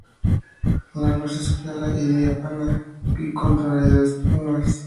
La luz es clara y diáfana, con tonalidades tenues.